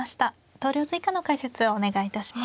投了図以下の解説をお願いいたします。